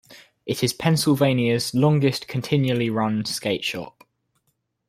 It is Pennsylvania's longest continually-run skate shop.